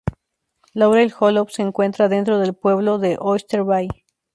Laurel Hollow se encuentra dentro del pueblo de Oyster Bay.